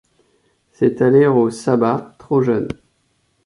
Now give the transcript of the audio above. C'est aller -au sabbat trop jeune !